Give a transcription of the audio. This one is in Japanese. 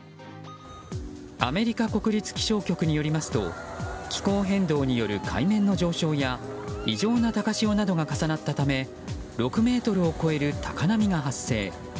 アメリカ国立気象局によりますと気候変動による海面の上昇や異常な高潮などが重なったため６ｍを超える高波が発生。